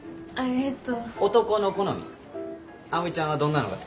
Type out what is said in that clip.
えっと